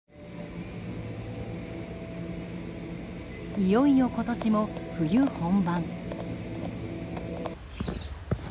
いよいよ今年も冬本番。